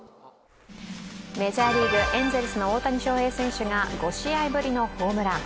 メジャーリーグ、エンゼルスの大谷翔平選手が５試合ぶりのホームラン。